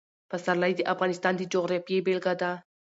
پسرلی د افغانستان د جغرافیې بېلګه ده.